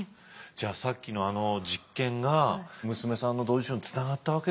じゃあさっきのあの実験が娘さんの同時受賞につながったわけですよ。